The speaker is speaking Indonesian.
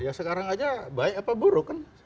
ya sekarang aja baik apa buruk kan